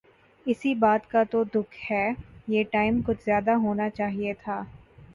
اسی بات کا تو دکھ ہے۔ یہ ٹائم کچھ زیادہ ہونا چاہئے تھا